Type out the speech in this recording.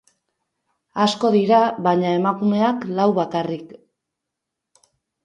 Asko dira, baina emakumeak lau bakarrik.